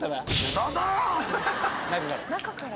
中から。